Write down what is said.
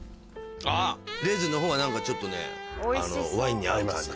あっレーズンのほうは何かちょっとねワインに合う感じで。